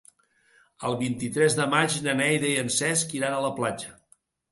El vint-i-tres de maig na Neida i en Cesc iran a la platja.